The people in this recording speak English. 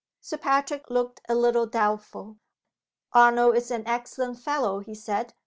Sir Patrick looked a little doubtful. "Arnold is an excellent fellow," he said.